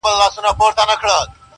• همېشه یې وې په شاتو نازولي -